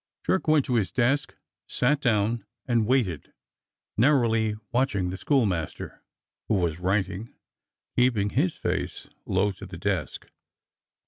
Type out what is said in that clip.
Jerk went to his desk, sat down and waited, narrowly watching the schoolmaster, who was writing, keeping his face low to the desk.